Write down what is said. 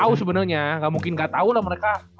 udah tau sebenernya ga mungkin ga tau lah mereka